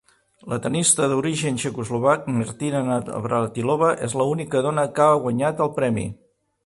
La tennista d'origen txecoslovac, Martina Navratilova, és l'única dona que ha guanyat el premi.